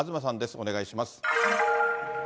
お願いします。